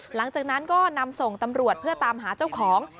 หลังจากนั้นก็นำส่งตำรวจเพื่อตามหาเจ้าของ